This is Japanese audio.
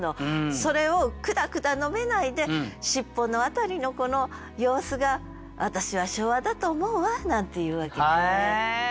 それをくだくだ述べないで「しっぽのあたりのこの様子が私は昭和だと思うわ」なんていうわけです。